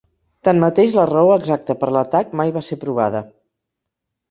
Tanmateix la raó exacta per l'atac mai va ser provada.